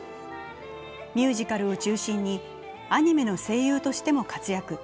ミュージカルを中心にアニメの声優としても活躍。